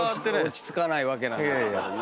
落ち着かないわけなんですけども。